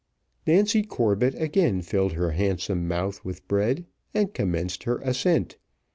Nancy Corbett again filled her handsome mouth with bread, and commenced her ascent.